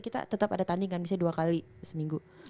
kita tetep ada tanding kan misalnya dua kali seminggu